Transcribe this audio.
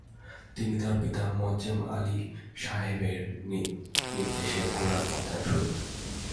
তিনি তার পিতা মোয়াজ্জেম আলী শাহের নির্দেশে কুরআন অধ্যয়ন শুরু করেন।